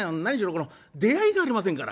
この出会いがありませんから。